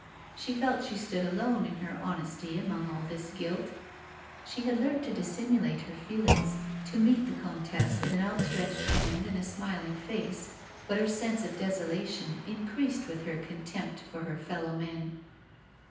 She felt she stood alone in her honesty amongst all this guilt. She had learnt to dissimulate her A WOMAN'S LIFE. 147 feelings, to meet the comtesse with an outstretched hand and a smiling face, but her sense of desolation increased with her contempt for her fellow men.